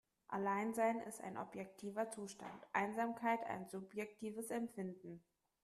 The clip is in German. Alleinsein ist ein objektiver Zustand, Einsamkeit ein subjektives Empfinden.